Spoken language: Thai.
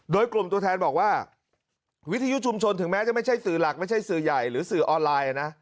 โดยกลุ่มตัวแทนบอกว่าวิทยุชุมชนถึงแม้จะไม่ใช่สื่อหลักไม่ใช่สื่อใหญ่หรือสื่อออนไลน์นะ